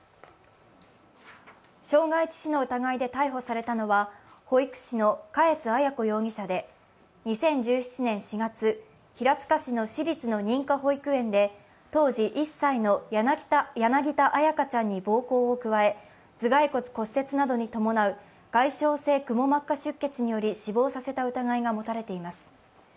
傷害致死の疑いで逮捕されたのは保育士の嘉悦彩子容疑者で２０１７年４月、平塚市の私立の認可保育園で当時１歳の柳田彩花ちゃんに暴行を加え、頭蓋骨骨折などに伴う外傷性くも膜下出血により死亡させた疑いが持たれています。